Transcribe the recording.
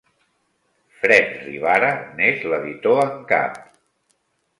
Fred Rivara n'és l'editor en cap.